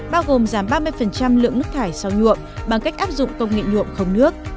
bao gồm giảm ba mươi lượng nước thải sau nhuộm bằng cách áp dụng công nghệ nhuộm không nước